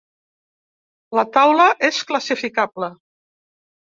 La taula és classificable.